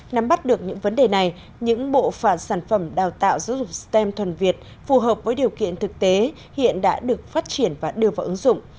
nắm bắt được những vấn đề này những bộ phản sản phẩm đào tạo giáo dục stem thuần việt phù hợp với điều kiện thực tế hiện đã được phát triển và đưa vào ứng dụng